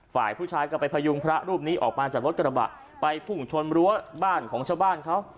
ฝ่ายผู้ชายก็ไปพยุงพระรูปนี้ออกมาจากรถกระบะไปพุ่งชนรั้วบ้านของชาวบ้านเขา